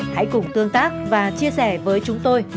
hãy cùng tương tác và chia sẻ với chúng tôi